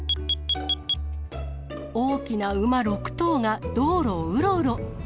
大きな馬６頭が、道路をうろうろ。